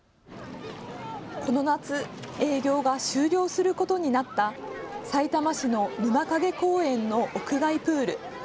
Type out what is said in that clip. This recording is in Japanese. この夏、営業が終了することになったさいたま市の沼影公園の屋外プール。